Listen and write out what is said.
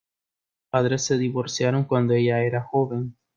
Sus padres se divorciaron cuando ella era joven.